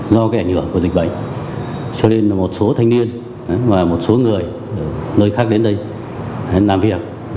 do cái ảnh hưởng của dịch bệnh cho nên một số thanh niên và một số người nơi khác đến đây làm việc